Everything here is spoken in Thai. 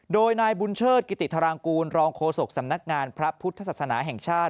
โดยนายบุญเชิดกิติธารางกูลรองโฆษกสำนักงานพระพุทธศาสนาแห่งชาติ